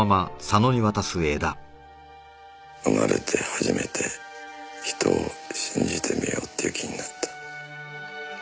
生まれて初めて人を信じてみようっていう気になった。